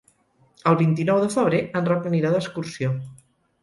El vint-i-nou de febrer en Roc anirà d'excursió.